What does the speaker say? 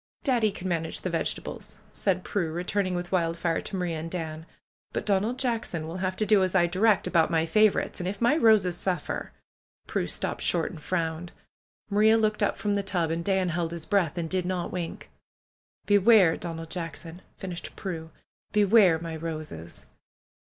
"Daddy can manage the vegetables," said Prue, re turning with Wildfire to Maria and Dan. "But Donald Jackson will have to do as I direct about my favorites, and if my roses suffer " Prue stopped short and frowned. Maria looked up from the tub and Dan held his breath and did not wink. "Beware, Donald Jackson !" finished Prue. "Beware my roses